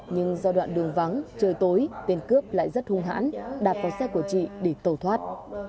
nhưng do đoạn đường vắng trời tối tên cướp lại rất hung hãn đạp vào xe của chị để tẩu thoát